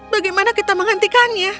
bagaimana kita menghentikannya